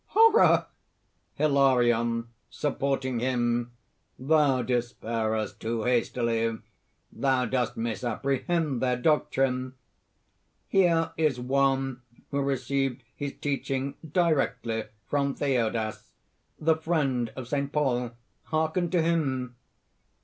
"Horror!" HILARION (supporting him). "Thou despairest too hastily! thou dost misapprehend their doctrine! Here is one who received his teaching directly from Theodas, the friend of St. Paul. Hearken to him."